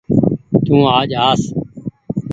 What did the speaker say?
تو آج آس